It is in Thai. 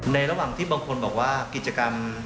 ระหว่างที่บางคนบอกว่ากิจกรรม